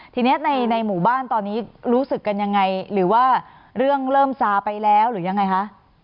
ทีนี้ในหมู่บ้านตอนนี้รู้สึกกันยังไงหรือว่าเรื่องเริ่มซาไปแล้วหรือยังไงคะ